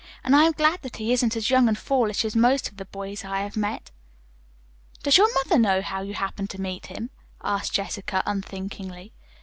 "And I am glad that he isn't as young and foolish as most of the boys I have met." "Does your mother know how you happened to meet him?" asked Jessica unthinkingly.